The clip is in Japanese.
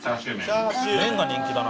麺が人気だな。